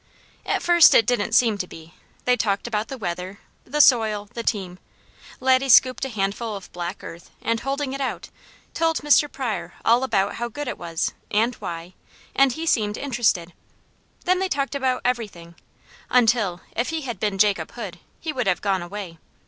At first it didn't seem to be. They talked about the weather, the soil, the team. Laddie scooped a handful of black earth, and holding it out, told Mr. Pryor all about how good it was, and why, and he seemed interested. Then they talked about everything; until if he had been Jacob Hood, he would have gone away.